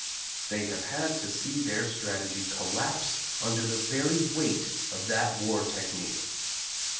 They have had to see their strategy col lapse under the very weight of that war technique.